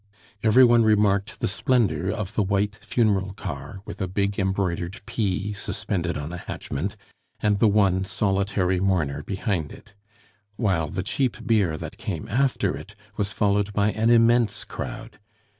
Every one remarked the splendor of the white funeral car, with a big embroidered P suspended on a hatchment, and the one solitary mourner behind it; while the cheap bier that came after it was followed by an immense crowd.